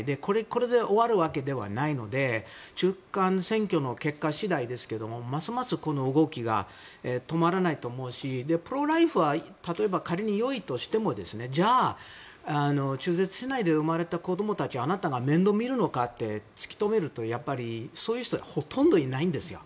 これで終わるわけではないので中間選挙の結果次第ですけどますます、この動きが止まらないと思うしプロ・ライフ派例えば仮に良いとしてもじゃあ、中絶しないで生まれた子供たちをあなたが面倒を見るのかと突き止めるとやっぱり、そういう人はほとんどいないんですよ。